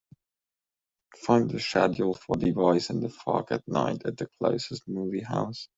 Find the schedule for The Voice in the Fog at night at the closest movie house.